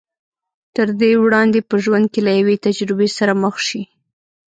تر دې وړاندې چې په ژوند کې له يوې تجربې سره مخ شي.